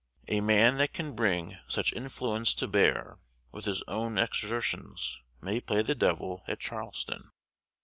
A man that can bring such influence to bear with his own exertions may play the devil at Charleston."